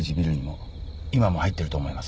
今も入ってると思います。